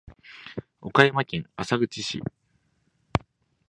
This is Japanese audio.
岡山県浅口市